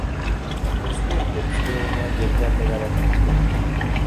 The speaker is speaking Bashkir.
— Көслө итеп тибеүенән ергә тәгәрәп киттем.